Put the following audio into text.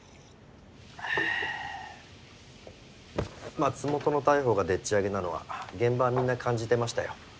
松本の逮捕がでっちあげなのは現場はみんな感じてましたよ。